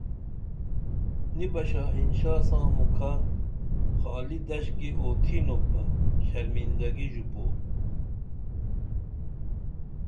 نی بہ شہنشاہ ساں مُکھہ خالی دش گی اوتھینوپ بہ شرمندگی ژوپو